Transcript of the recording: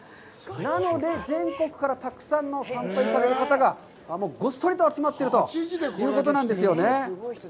なので全国からたくさんの参拝客の方がごっそりと集まっているということなんですよね。